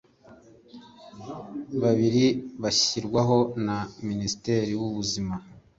babiri bashyirwaho na minisitiri w ubuzima